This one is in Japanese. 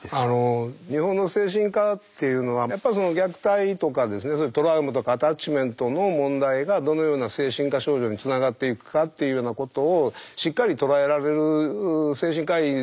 日本の精神科っていうのはやっぱり虐待とかトラウマとかアタッチメントの問題がどのような精神科症状につながっていくかっていうようなことをしっかり捉えられる精神科医の数は少ないかなと。